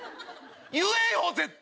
言えよ絶対！